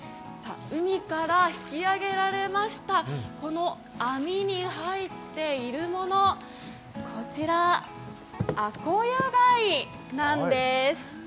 海から引き上げられましたこの網に入っているもの、こちら、アコヤガイなんです。